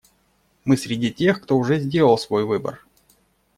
Мы среди тех, кто уже сделал свой выбор.